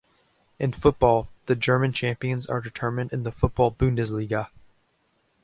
In football, the German champions are determined in the football Bundesliga.